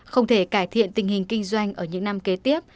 không thể cải thiện tình hình kinh doanh ở những năm kế tiếp